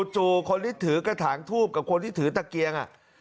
คนที่ถือกระถางทูบกับคนที่ถือตะเกียง